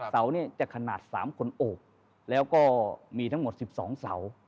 เสาเนี่ยจะขนาด๓คนโอบแล้วก็มีทั้งหมด๑๒เสา